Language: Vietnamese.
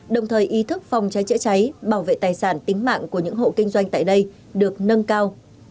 đồng thời ý thức phòng cháy chữa cháy bảo vệ tài sản tính mạng của những hộ kinh doanh tại đây được nâng cao